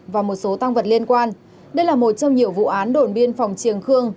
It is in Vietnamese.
và một số tăng vật liên quan đây là một trong nhiều vụ án đồn biên phòng triềng khương